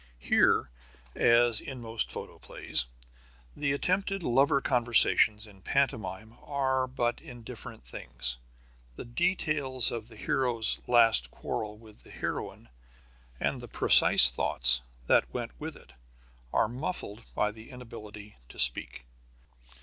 Here, as in most photoplays, the attempted lover conversations in pantomime are but indifferent things. The details of the hero's last quarrel with the heroine and the precise thoughts that went with it are muffled by the inability to speak.